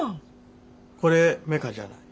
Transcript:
これメカじゃない。